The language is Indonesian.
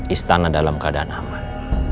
istana dalam keadaan aman